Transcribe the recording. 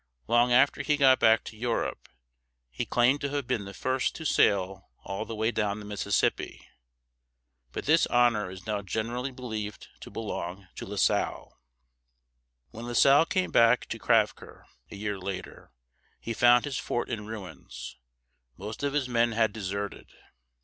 Long after he got back to Europe, he claimed to have been the first to sail all the way down the Mississippi; but this honor is now generally believed to belong to La Salle. When La Salle came back to Crèvecœur a year later, he found his fort in ruins; most of his men had deserted.